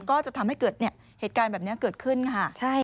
ก็จะทำให้เกิดเหตุการณ์แบบนี้เกิดขึ้นค่ะ